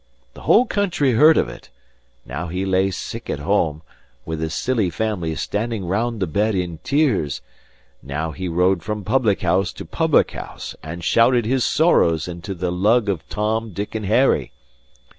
The whole country heard of it; now he lay sick at home, with his silly family standing round the bed in tears; now he rode from public house to public house, and shouted his sorrows into the lug of Tom, Dick, and Harry.